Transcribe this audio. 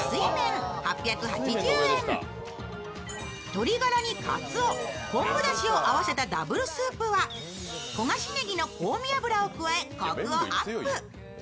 鶏ガラにかつお、昆布だしを合わせたダブルスープは焦がしねぎの香味油を加えこくをアップ。